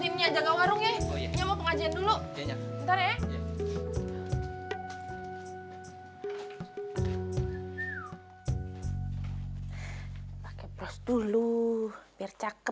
maksudnya bikin kegaduhan seperti apa